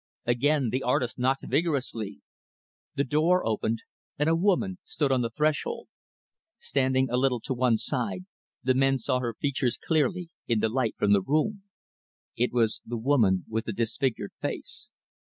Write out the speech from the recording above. Again, the artist knocked vigorously. The door opened, and a woman stood on the threshold. Standing a little to one side, the men saw her features clearly, in the light from the room. It was the woman with the disfigured face.